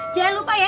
jangan lupa ya